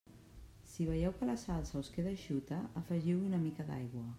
Si veieu que la salsa us queda eixuta, afegiu-hi una mica d'aigua.